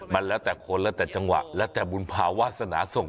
มันแล้วแต่คนแล้วแต่จังหวะแล้วแต่บุญภาวาสนาส่ง